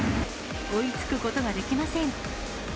追いつくことができません。